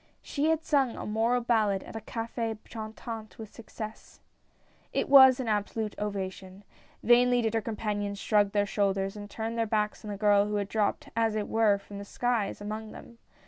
She had sung a moral ballad at a Cafe Chantant with success ! It was an absolute ovation. Vainly did her compan ions shrug their shoulders and turn their backs on the girl who had dropped, as it were, from the skies, among them.